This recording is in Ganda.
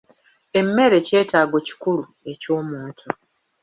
Emmere kyetaago kikulu eky'omuntu.